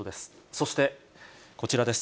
そしてこちらです。